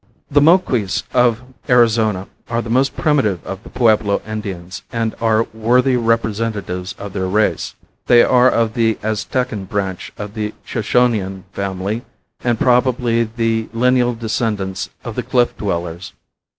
The Moquis of Arizona are the most primitive of the Pueblo Indians and are worthy representatives of their race. They are of the Aztecan branch of the Shoshonean family and probably the lineal descendents of the cliff dwellers.